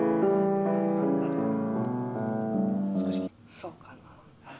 そうかな。